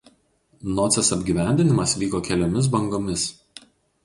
Notsės apgyvendinimas vyko keliomis bangomis.